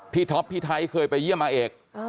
ท็อปพี่ไทยเคยไปเยี่ยมอาเอก